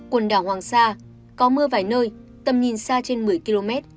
khu vực hoàng sa có mưa vài nơi tầm nhìn xa trên một mươi km